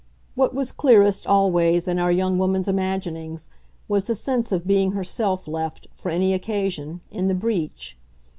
What was clearest, always, in our young woman's imaginings, was the sense of being herself left, for any occasion, in the breach.